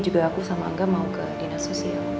juga aku sama angga mau ke dinas sosial